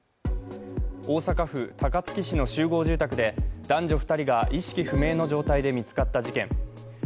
大阪府高槻市の集合住宅で男女２人が意識不明の状態で見つかった事件。